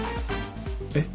えっ？